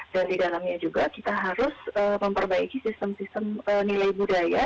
dan di dalamnya juga kita harus memperbaiki sistem sistem nilai budaya